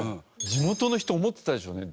地元の人思ってたでしょうね。